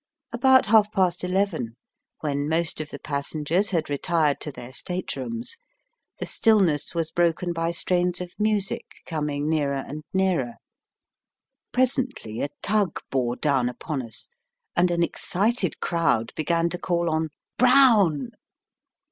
About half past eleven, when most of the passengers had retired to their state rooms, the stillness was broken by strains of music coming nearer and nearer. Presently a tug bore down upon us, and an excited crowd began to call on " Brown